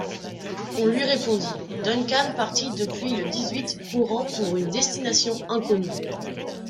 On lui répondit: « Duncan parti depuis le dix-huit courant pour une destination inconnue